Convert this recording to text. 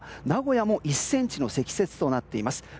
名古屋も１ｃｍの積雪となっています。